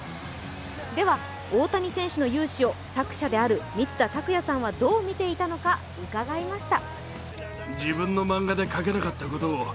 では、大谷選手の勇姿を作者である満田拓也さんはどう見ていたのか伺いました。